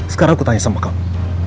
sekarang aku tanya sama kamu